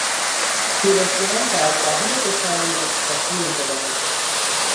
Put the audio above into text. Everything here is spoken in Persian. شورشیان در دهم دسامبر تسلیم شدند.